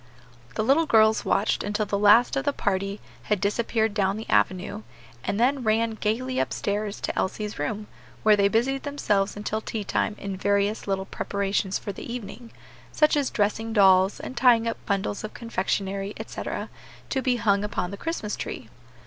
The little girls watched until the last of the party had disappeared down the avenue, and then ran gayly up stairs to Elsie's room, where they busied themselves until tea time in various little preparations for the evening, such as dressing dolls, and tying up bundles of confectionery, etc., to be hung upon the Christmas tree.